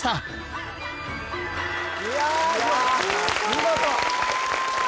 見事。